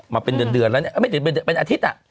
มาเป็นอาทิตย์